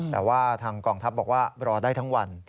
แต่ว่าทางกองทัพบอกว่ารอได้ทั้งวัน